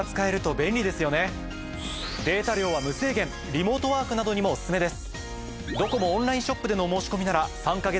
リモートワークなどにもオススメです。